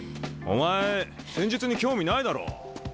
お前戦術に興味ないだろ？